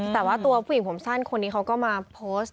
แต่ว่าตัวผู้หญิงผมสั้นคนนี้เขาก็มาโพสต์